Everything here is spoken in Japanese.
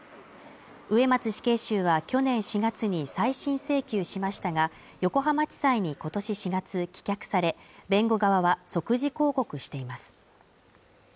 植松死刑囚は去年４月に再審請求しましたが横浜地裁に今年４月棄却され弁護側は即時抗告しています